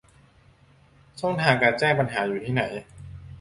ช่องทางการแจ้งปัญหาอยู่ที่ไหน